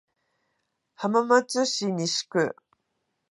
浜松市西区